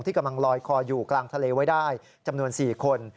กำลังลอยคออยู่กลางทะเลไว้ได้จำนวน๔คน